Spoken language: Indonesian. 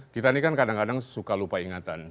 kita ini kan kadang kadang suka lupa ingatan